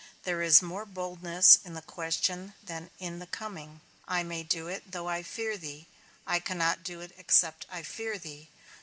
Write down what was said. There is more boldness in the question than in the coming; I may do it though I fear thee; I cannot do it except I fear thee.